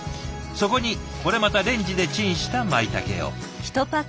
そこにこれまたレンジでチンしたまいたけを。